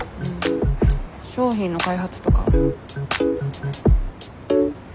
商品の開発とか。